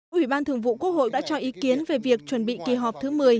quỹ ban thường vụ quốc hội đã cho ý kiến về việc chuẩn bị kỳ họp thứ một mươi